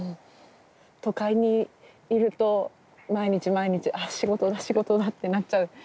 都会にいると毎日毎日仕事だ仕事だってなっちゃうけど。